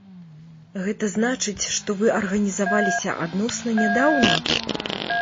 Гэта значыць, што вы арганізаваліся адносна нядаўна?